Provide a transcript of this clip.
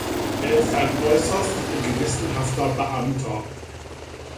Er ist ein äußerst gewissenhafter Beamter.